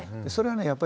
それはね